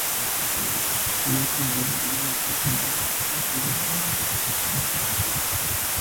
En este modelo Renault rediseño la suspensión trasera y endureció la delantera.